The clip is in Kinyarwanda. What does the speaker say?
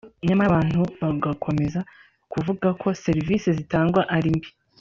nyamara abantu bagakomeza kuvuga ko serivisi zitangwa ari imbi